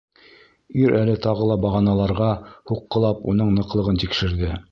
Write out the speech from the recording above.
Ир әле тағы ла бағаналарға һуҡҡылап уның ныҡлығын тикшерҙе.